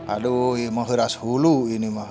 aduh mah keras hulu ini mah